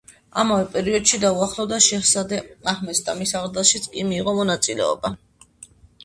ამავე პერიოდში დაუახლოვდა შეჰზადე აჰმედს და მის აღზრდაშიც კი მიიღო მონაწილეობა.